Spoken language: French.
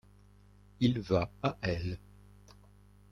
Il va à elle.